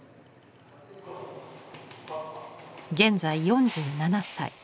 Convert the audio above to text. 現在４７歳。